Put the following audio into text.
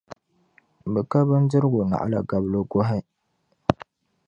Bɛ ka bindirgu naɣila gabligɔhi.